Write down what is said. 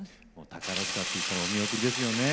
宝塚っていったらお見送りですよね。